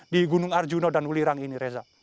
di gunung arjuna dan ulirang ini reza